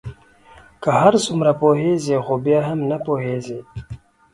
که هر څومره پوهیږی خو بیا هم نه پوهیږې